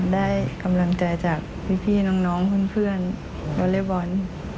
ได้กำลังใจจากพี่น้องคุณเพื่อนวอเลเบิร์น